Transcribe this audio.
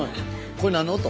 これ何の音？